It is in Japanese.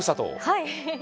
はい。